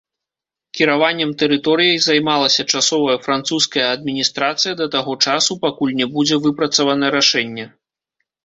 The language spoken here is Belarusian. Кіраваннем тэрыторыяй займалася часовая французская адміністрацыя да таго часу, пакуль не будзе выпрацавана рашэнне.